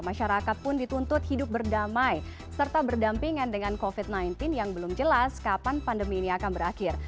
masyarakat pun dituntut hidup berdamai serta berdampingan dengan covid sembilan belas yang belum jelas kapan pandemi ini akan berakhir